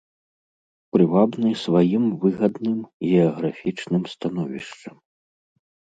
Прывабны сваім выгадным геаграфічным становішчам.